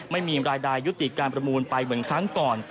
ไม่มีรายได้ยุติการประมูลไปเหมือนครั้งก่อน